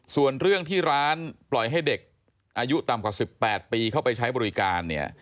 ส่วนเรื่องที่ร้านปล่อยให้เด็กอายุต่ำกว่า๑๘ปีเข้าไปใช้บริการเนี่ย